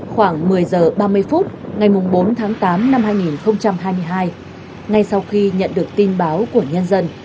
khoảng một mươi h ba mươi phút ngày bốn tháng tám năm hai nghìn hai mươi hai ngay sau khi nhận được tin báo của nhân dân